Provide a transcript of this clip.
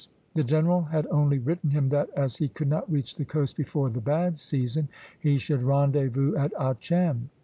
The general had only written him that, as he could not reach the coast before the bad season, he should rendezvous at Achem.